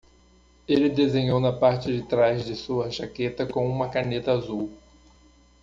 Ele desenhou na parte de trás de sua jaqueta com uma caneta azul.